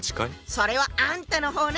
それはあんたの方ね。